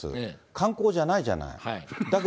観光じゃないじゃない。